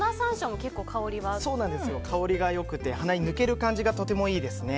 香りが良くて鼻に抜ける感じがとてもいいですね。